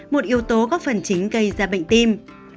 một yếu tố góp phần chính gây ra bệnh tim